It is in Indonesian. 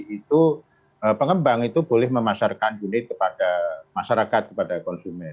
itu pengembang itu boleh memasarkan unit kepada masyarakat kepada konsumen